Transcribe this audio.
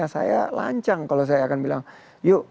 saya lancang kalau saya akan bilang yuk